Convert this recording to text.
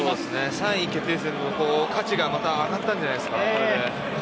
３位決定戦の価値がこれで上がったんじゃないですか。